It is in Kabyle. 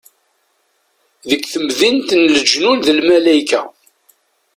Deg temdint n lejnun d lmalayka.